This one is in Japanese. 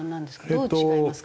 どう違いますか？